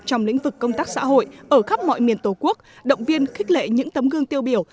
trong lĩnh vực công tác xã hội ở khắp mọi miền tổ quốc động viên khích lệ những tấm gương tiêu biểu